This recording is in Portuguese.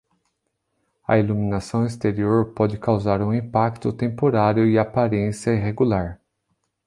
A iluminação exterior pode causar um impacto temporário e aparência irregular.